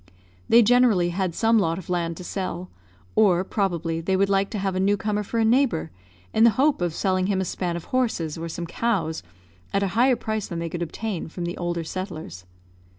They generally had some lot of land to sell or, probably, they would like to have a new comer for a neighbour, in the hope of selling him a span of horses or some cows at a higher price than they could obtain from the older settlers.